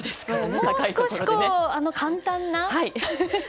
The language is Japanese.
もう少し簡単な。